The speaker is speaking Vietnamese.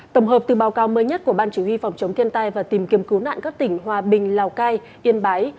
tổng hợp từ báo cáo mới nhất của ban chủ huy phòng chống thiên tai và tìm kiếm cứu nạn các tỉnh hòa bình lào cai yên bái